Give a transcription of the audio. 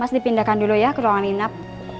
mas dipindahkan dulu ya ke ruangan inap